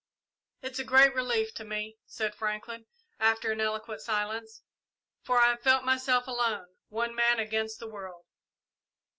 "It is a great relief to me," said Franklin, after an eloquent silence, "for I have felt myself alone one man against the world."